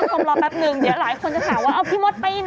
เพื่อนผู้ชมรอแป๊บหนึ่งเดี๋ยวหลายคนจะถามว่าพี่มดไปไหน